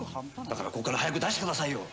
だからここから早く出してくださいよ。